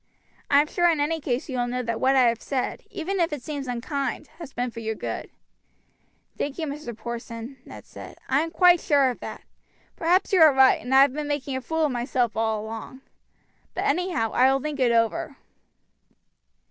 I am sure in any case you will know that what I have said, even if it seems unkind, has been for your good." "Thank you, Mr. Porson," Ned replied; "I am quite sure of that. Perhaps you are right, and I have been making a fool of myself all along. But anyhow I will think it over."